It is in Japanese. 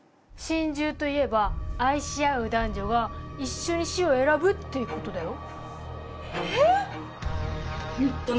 「しんじゅう」といえば愛し合う男女が一緒に死を選ぶっていうことだよ。